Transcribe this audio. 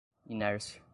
inércia